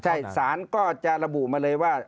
ใช่สารก็จะระบุมาเลยว่า